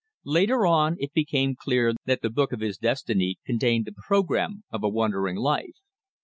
Later on it became clear that the book of his destiny contained the programme of a wandering life.